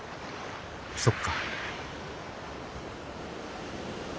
そっか。